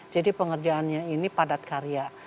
jadi pengerjaannya ini padat karya